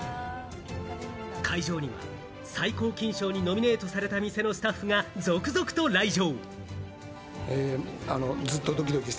会場には最高金賞にノミネートされた店のスタッフが続々と来場。